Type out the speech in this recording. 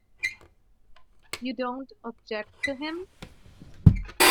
You don't object to him?